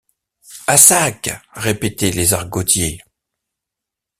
À sac! répétaient les argotiers.